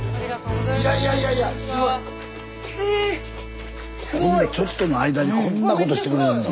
スタジオちょっとの間にこんなことしてくれるの。